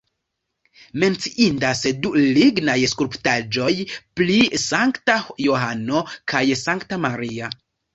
Menciindas du lignaj skulptaĵoj pri Sankta Johano kaj Sankta Maria.